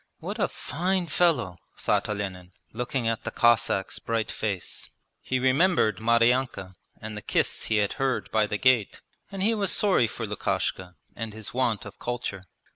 'What a fine fellow!' thought Olenin, looking at the Cossack's bright face. He remembered Maryanka and the kiss he had heard by the gate, and he was sorry for Lukashka and his want of culture.